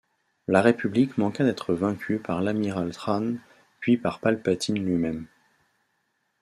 La République manqua d'être vaincue par l'amiral Thrawn, puis par Palpatine lui-même.